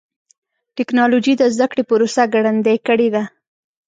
ټکنالوجي د زدهکړې پروسه ګړندۍ کړې ده.